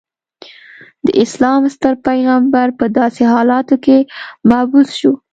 د اسلام ستر پیغمبر په داسې حالاتو کې مبعوث شو.